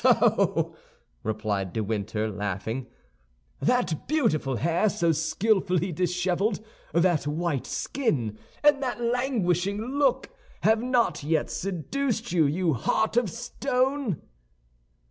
"So," replied de Winter, laughing, "that beautiful hair so skillfully disheveled, that white skin, and that languishing look, have not yet seduced you, you heart of stone?"